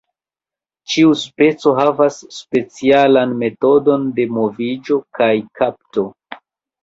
Ĉiu speco havas specialan metodon de moviĝo kaj kapto.